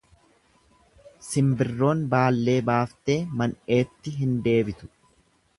Simbirroon baallee baafte man'eetti hin deebitu.